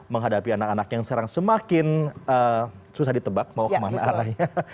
menghadapi anak anak yang sekarang semakin susah ditebak mau kemana arahnya